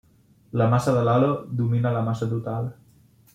La massa de l'halo domina la massa total.